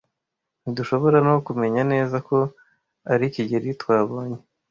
Ntidushobora no kumenya neza ko ari kigeli twabonye.